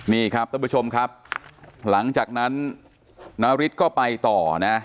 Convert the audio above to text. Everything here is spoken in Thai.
นี่ครับท่านผู้ชมครับหลังจากนั้นนาริสก็ไปต่อนะ